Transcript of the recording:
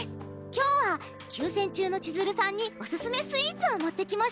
今日は休戦中の千鶴さんにおすすめスイーツを持ってきました。